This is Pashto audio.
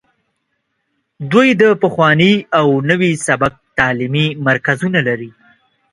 دوی د پخواني او نوي سبک تعلیمي مرکزونه لري